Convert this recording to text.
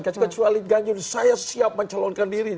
kecuali ganjur saya siap mencolonkan diri